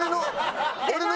俺の。